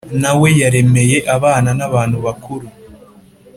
Na we yaremeye abana nabantu bakuru